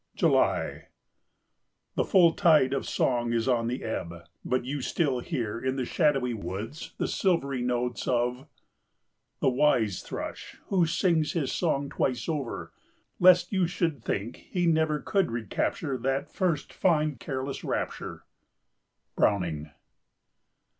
July. The full tide of song is on the ebb, but you still hear in the shadowy woods the silvery notes of— "The wise Thrush, who sings his song twice over, Lest you should think he never could recapture That first fine careless rapture." —Browning.